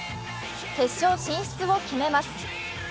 決勝進出を決めます。